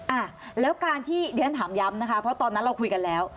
อ่ะแล้วการที่เรียนถามย้ำนะคะเพราะตอนนั้นเราคุยกันแล้ว